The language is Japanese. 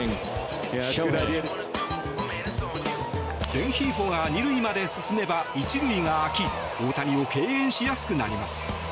レンヒーフォが２塁まで進めば１塁が空き大谷を敬遠しやすくなります。